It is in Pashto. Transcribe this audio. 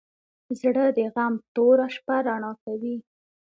زړه د غم توره شپه رڼا کوي.